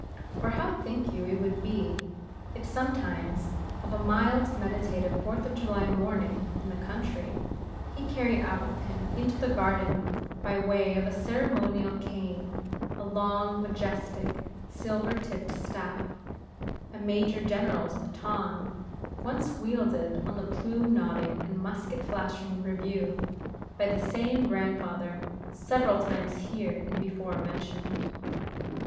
Or how think you it would be, if sometimes of a mild meditative Fourth of July morning in the country, he carried out with him into the garden by way of ceremonial cane, a long, majestic, silver tipped staff, a Major General's baton, once wielded on the plume nodding and musket flashing review by the same grandfather several times here in before mentioned?